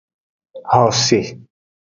Xose.